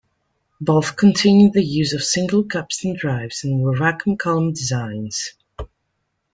Both continued the use of single capstan drives and were vacuum column designs.